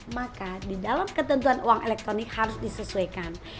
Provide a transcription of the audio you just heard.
maka di dalam ketentuan uang elektronik harus disesuaikan